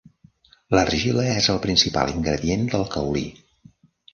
L'argila és el principal ingredient del caolí.